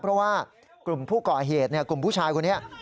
เพราะว่ากลุ่มผู้ก่อเหตุกลุ่มผู้ชายคนนี้